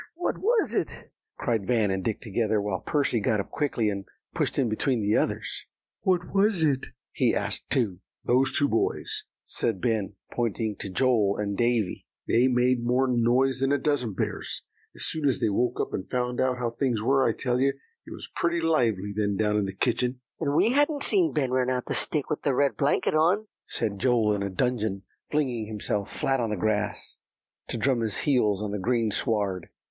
what was it?" cried Van and Dick together, while Percy got up quickly, and pushed in between the others. "What was it?" he asked too. "Those two boys," said Ben, pointing to Joel and Davie; "they made more noise than a dozen bears, as soon as they woke up and found out how things were. I tell you, it was pretty lively then down in the kitchen." "And we hadn't seen Ben run out the stick with the red blanket on," said Joel in a dudgeon, flinging himself flat on the grass, to drum his heels on the green sward.